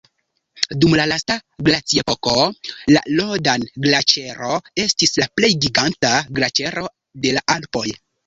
Dum la lasta glaciepoko la Rodan-Glaĉero estis la plej giganta glaĉero de la Alpoj.